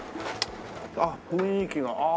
あっ雰囲気がああ。